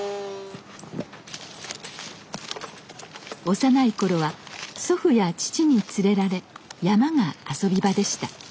幼い頃は祖父や父に連れられ山が遊び場でした。